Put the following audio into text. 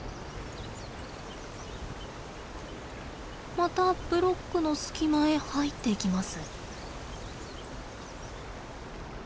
またブロックの隙間へ入っていきます。